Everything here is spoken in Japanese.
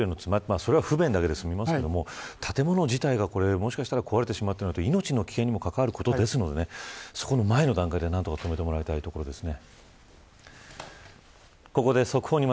雨漏りだったりトイレの詰まりそれは不便だけで済みますが建物自体が、もしかしたら壊れてしまうとなると命の危機にも関わることですのでそこの前の段階で、何とか止めてもらいたいところですね。